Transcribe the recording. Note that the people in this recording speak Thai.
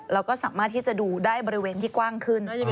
แล้วก็สามารถที่จะดูได้บริเวณที่กว้างขึ้น